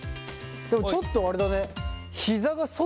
でもちょっとあれだね。